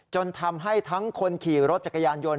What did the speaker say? จนทำให้ทั้งคนขี่รถจักรยานยนต